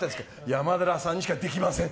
山寺さんにしかできません。